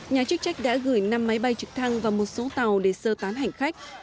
nhà chức trách đã gửi năm máy bay trực thăng và một số tàu để sơ tán hành khách